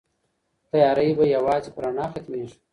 تيارې به يوازې په رڼا ختميږي.